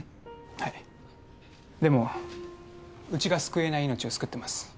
はいでもうちが救えない命を救ってます